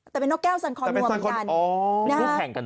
แต่เป็นนกแก้วสันคอนัวเหมือนกัน